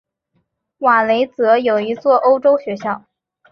瓦雷泽有一座欧洲学校。